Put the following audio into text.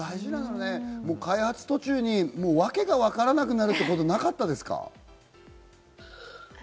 開発途中にわけがわからなくなるということはなかったですか？